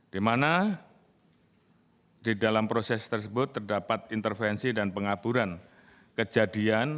di mana di dalam proses tersebut terdapat intervensi dan pengaburan kejadian